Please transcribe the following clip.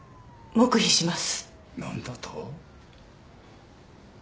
黙秘します！